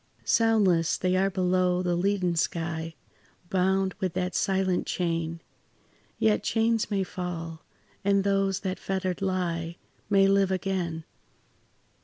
Soundless they are below the leaden sky, Bound with that silent chain; Yet chains may fall, and those that fettered lie May live again.